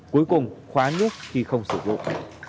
cuối cùng khóa nước khi không sử dụng